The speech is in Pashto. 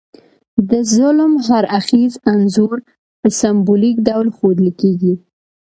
د ظلم هر اړخیز انځور په سمبولیک ډول ښودل کیږي.